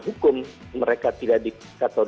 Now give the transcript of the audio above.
hukum mereka tidak